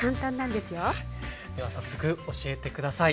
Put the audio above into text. では早速教えて下さい。